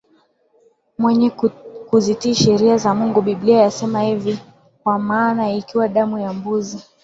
mwenyewe kuzitii sheria za Mungu Biblia yasema hivi Kwa maana ikiwa damu ya mbuzi